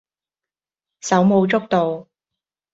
手舞足蹈